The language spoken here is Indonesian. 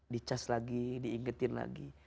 dicas lagi diingetin lagi